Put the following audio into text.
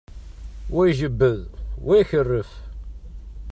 Wa ijebbed, wa ikerref.